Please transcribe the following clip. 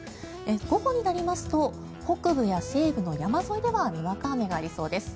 午後になりますと北部や西部の山沿いではにわか雨がありそうです。